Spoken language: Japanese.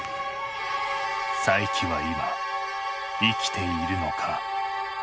佐伯は今生きているのか？